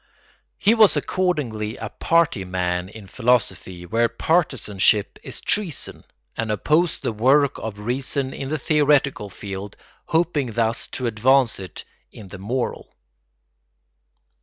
He was accordingly a party man in philosophy, where partisanship is treason, and opposed the work of reason in the theoretical field, hoping thus to advance it in the moral.